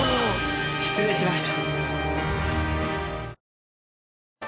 失礼しました。